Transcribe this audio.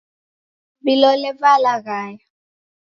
Vilole valaghaya.